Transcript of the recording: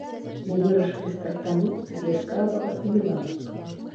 Мы вырашылі стартануць з яскравага і беларускага.